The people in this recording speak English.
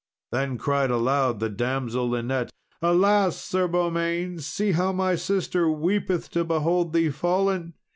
Then cried aloud the damsel Linet, "Alas! Sir Beaumains, see how my sister weepeth to behold thee fallen!"